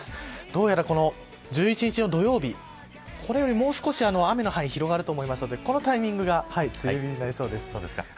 どうやら１１日の土曜日これよりもう少し雨の日範囲が広がると思うのでこのタイミングが梅雨入りとなりそうです。